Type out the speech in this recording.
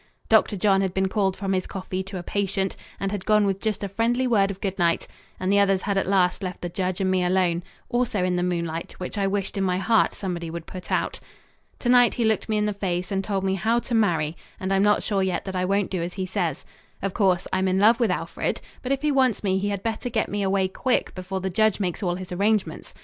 Dr. John had been called from his coffee to a patient and had gone with just a friendly word of good night, and the others had at last left the judge and me alone also in the moonlight, which I wished in my heart somebody would put out. To night he looked me in the face and told me how to marry, and I'm not sure yet that I won't do as he says. Of course I'm in love with Alfred, but if he wants me he had better get me away quick before the judge makes all his arrangements.